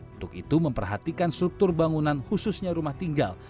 untuk itu memperhatikan struktur bangunan khususnya rumah tinggal